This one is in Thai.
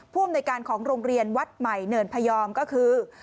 ผู้อำนวยการของโรงเรียนวัดใหม่เนินพยอมก็คือ